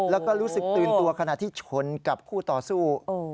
แล้วก็รู้สึกตื่นตัวขณะที่ชนกับคู่ต่อสู้